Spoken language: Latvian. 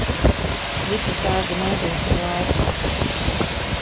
Visas dārza mēbeles ir laukā